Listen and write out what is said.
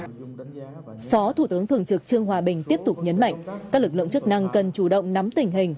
phó thủ tướng thường trực trương hòa bình tiếp tục nhấn mạnh các lực lượng chức năng cần chủ động nắm tình hình